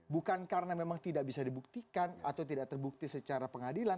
bukan karena memang tidak bisa dibuktikan atau tidak terbukti secara pengadilan